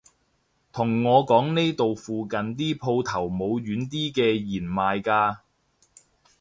同我講呢度附近啲舖頭冇軟啲嘅弦賣㗎